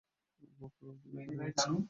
আবু বকর আবদুল্লাহ এখানেই আছে।